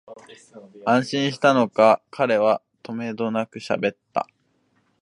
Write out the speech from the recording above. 安心したのか、彼はとめどなくしゃべった